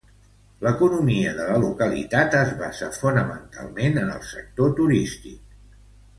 L'economia de la localitat es basa fonamentalment en el sector turístic.